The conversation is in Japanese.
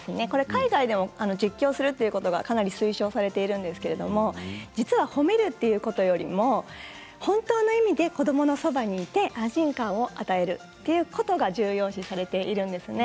海外でも実況するということがかなり推奨されているんですけど実は、褒めるということよりも本当の意味で子どものそばにいて安心感を与えるということが重要視されているんです。